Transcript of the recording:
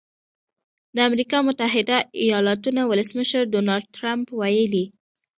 د امریکا متحده ایالتونو ولسمشر ډونالډ ټرمپ ویلي